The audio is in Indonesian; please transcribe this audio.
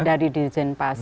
dari dirjen pas